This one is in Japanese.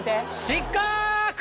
失格！